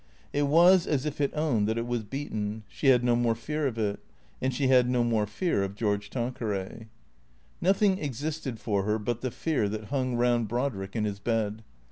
It was as if it owned that it was beaten. She had no more fear of it. And she had no more fear of George Tanqueray. Nothing existed for her but the fear that hung round Brodrick in his bed.